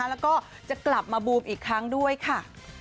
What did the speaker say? แล้วก็จะกลับมาบูมอีกครั้งด้วยค่ะ